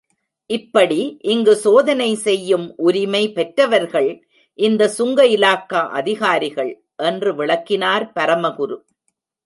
இப்படி இங்கு சோதனை செய்யும் உரிமை பெற்றவர்கள் இந்த சுங்க இலாக்கா அதிகாரிகள், என்று விளக்கினார் பரமகுரு.